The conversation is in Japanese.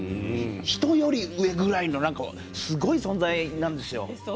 人より上ぐらいのすごい存在なんですよ。